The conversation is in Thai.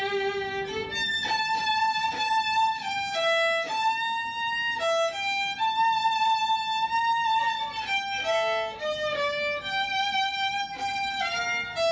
เพื่อให้มีการแชร์ไปในสังคมออนไลน์เป็นจำนวนมากค่ะ